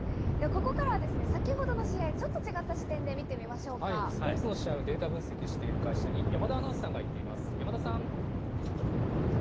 ここからはですね、先ほどの試合、ちょっと違った視点で見てスポーツの試合をデータ分析している会社に山田アナウンサーが行っています。